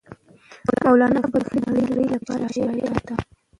مولانا بلخي د نړۍ لپاره شاعر دی.